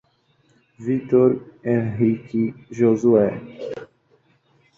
Vítor, Henrique, Josué